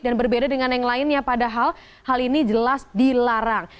dan berbeda dengan yang lainnya padahal hal ini jelas dilarang